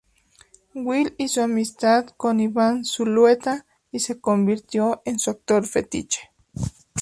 Will hizo amistad con Iván Zulueta y se convirtió en su actor fetiche.